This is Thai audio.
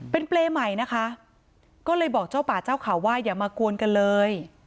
เป็นเปรย์ใหม่นะคะก็เลยบอกเจ้าป่าเจ้าข่าวว่าอย่ามากวนกันเลย